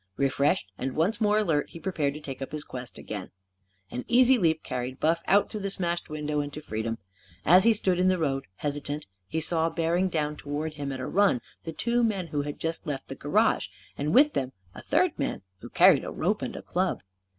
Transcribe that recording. Refreshed and once more alert, he prepared to take up his quest again. An easy leap carried Buff out through the smashed window, and to freedom. As he stood in the road, hesitant, he saw bearing down toward him at a run the two men who had just left the garage, and with them a third man, who carried a rope and a club.